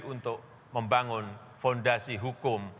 untuk membangun fondasi hukum